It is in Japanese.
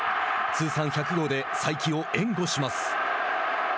通算１００号で才木を援護します。